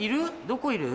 どこいる？